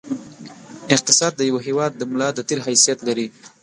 اقتصاد د یوه هېواد د ملا د تېر حیثیت لري.